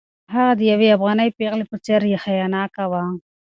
هغه د یوې افغانۍ پېغلې په څېر حیاناکه وه.